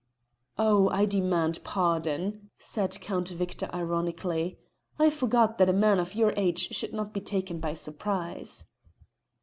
"Oh, I demand pardon!" said Count Victor ironically. "I forgot that a man of your age should not be taken by surprise."